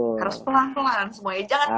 harus pelan pelan semuanya